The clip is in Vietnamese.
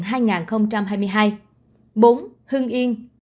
bốn hưng yên